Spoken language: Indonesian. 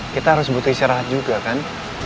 kita harus butuh istirahat juga kan